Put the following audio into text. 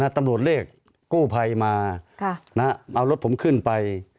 ตำรวจเรียกกู้ภัยมาเอารถผมขึ้นไป